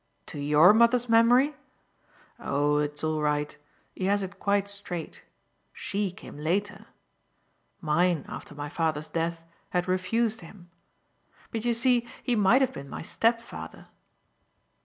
"To YOUR mother's memory? Oh it's all right he has it quite straight. She came later. Mine, after my father's death, had refused him. But you see he might have been my stepfather."